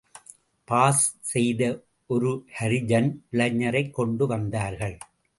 Pass செய்த ஒரு ஹரிஜன் இளைஞரைக் கொண்டு வந்தார்கள்.